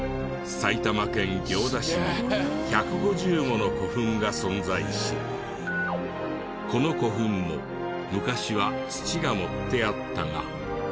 埼玉県行田市には１５０もの古墳が存在しこの古墳も昔は土が盛ってあったが。